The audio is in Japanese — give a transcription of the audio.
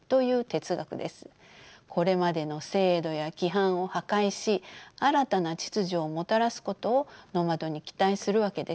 これまでの制度や規範を破壊し新たな秩序をもたらすことをノマドに期待するわけです。